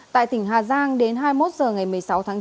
tại tỉnh hà giang đến hai mươi một h ngày một mươi sáu tháng chín